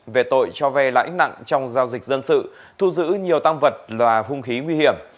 về tội cho ve lãnh nặng trong giao dịch dân sự thu giữ nhiều tam vật loà hung khí nguy hiểm